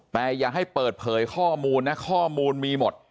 แต่อย่าให้เปิดเผยข้อมูลนะข้อมูลมีหมด